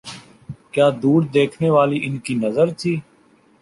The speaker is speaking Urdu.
کیا دور دیکھنے والی ان کی نظر تھی۔